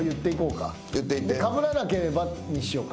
かぶらなければにしようか。